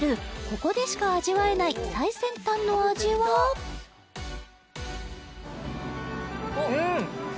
ここでしか味わえない最先端の味はうん！